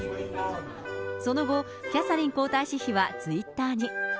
その後、キャサリン皇太子妃はツイッターに。